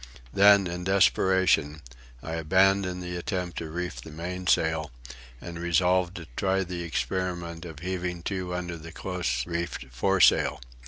Then, in desperation, I abandoned the attempt to reef the mainsail and resolved to try the experiment of heaving to under the close reefed foresail.